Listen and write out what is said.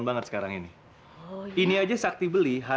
kamu apa apaan sih